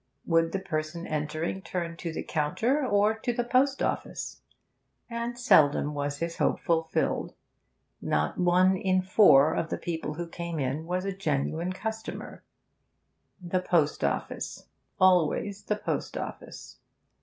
Would the person entering turn to the counter or to the post office? And seldom was his hope fulfilled; not one in four of the people who came in was a genuine customer; the post office, always the post office.